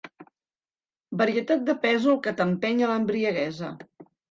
Varietat de pèsol que t'empeny a l'embriaguesa.